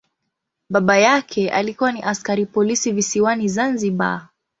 Baba yake alikuwa ni askari polisi visiwani Zanzibar.